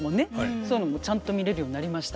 そういうのもちゃんと見れるようになりました。